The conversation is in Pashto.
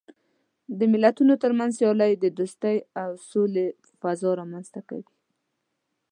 د ملتونو ترمنځ سیالۍ د دوستۍ او سولې فضا رامنځته کوي.